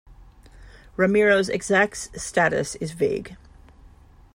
Ramiro's exact status is vague.